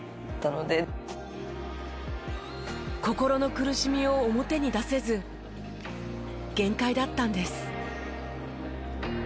心の苦しみを表に出せず限界だったんです。